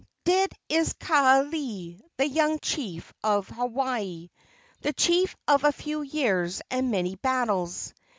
dead is Kaaialii, the young chief of Hawaii, The chief of few years and many battles!